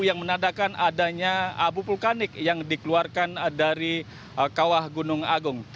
yang menandakan adanya abu vulkanik yang dikeluarkan dari kawah gunung agung